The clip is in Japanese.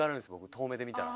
遠目で見たら。